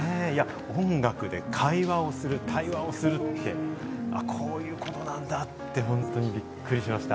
音楽で会話をする、会話をするってこういうことなんだって本当にびっくりしました。